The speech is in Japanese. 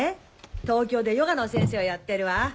東京でヨガの先生をやってるわ。